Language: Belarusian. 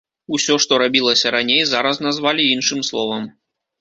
Усё, што рабілася раней, зараз назвалі іншым словам.